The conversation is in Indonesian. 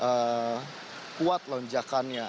yang terlalu kuat lonjakannya